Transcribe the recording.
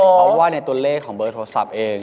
เพราะว่าในตัวเลขของเบอร์โทรศัพท์เอง